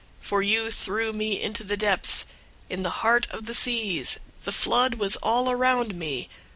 002:003 For you threw me into the depths, in the heart of the seas. The flood was all around me.